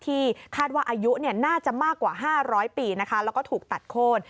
ที่คาดว่าอายุน่าจะมากกว่า๕๐๐ปีนะคะแล้วก็ถูกตัดโค้น